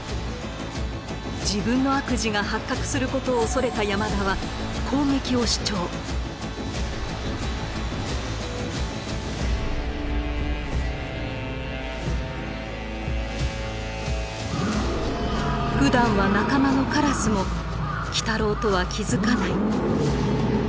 自分の悪事が発覚することを恐れた山田はふだんは仲間のカラスも鬼太郎とは気付かない。